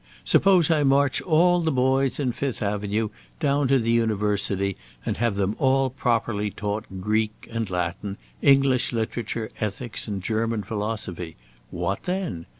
Suppose I march all the boys in Fifth Avenue down to the university and have them all properly taught Greek and Latin, English literature, ethics, and German philosophy. What then?